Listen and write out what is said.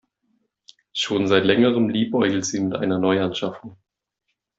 Schon seit längerem liebäugelt sie mit einer Neuanschaffung.